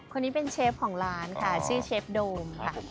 คนนี้เป็นเชฟของร้านค่ะชื่อเชฟโดมค่ะ